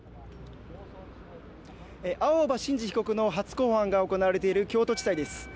青葉真司被告の初公判が行われている京都地裁です